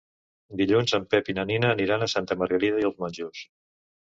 Dilluns en Pep i na Nina aniran a Santa Margarida i els Monjos.